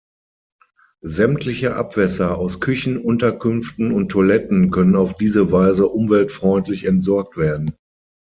Sämtliche Abwässer aus Küchen, Unterkünften und Toiletten können auf diese Weise umweltfreundlich entsorgt werden.